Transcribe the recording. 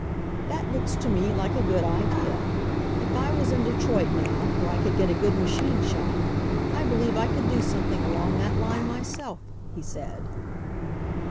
"That looks to me like a good idea. If I was in Detroit now, where I could get a good machine shop, I believe I could do something along that line myself/' he said.